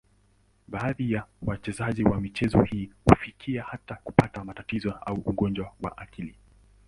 Baadhi ya wachezaji wa michezo hii hufikia hata kupata matatizo au ugonjwa wa akili.